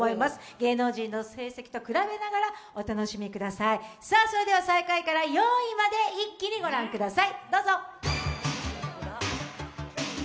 芸能人の成績と比べながらお楽しみください、それでは最下位から４位まで一気に御覧ください。